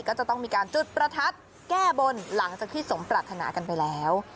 ก็จะต้องมีการจุดประทัดแก้บนหลังจากที่สมปรารถนากันไปแล้ว